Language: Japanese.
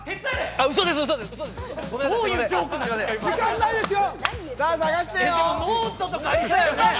時間ないですよ。